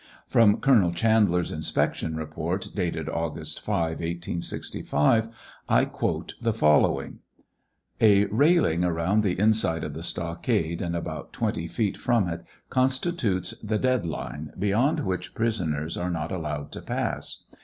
From Colonel Chandler's inspection report dated August 5, 1865, 1 quote the following : A railing around the inside of the stocltade and about 20 feet from it constitutes the dead line, beyond which prisoners are not allowed to pass.